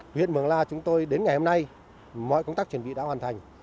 huyện mường la chúng tôi đến ngày hôm nay mọi công tác chuẩn bị đã hoàn thành